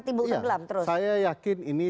timbul tenggelam terus saya yakin ini